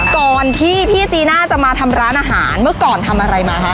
ก่อนที่พี่จีน่าจะมาทำร้านอาหารเมื่อก่อนทำอะไรมาคะ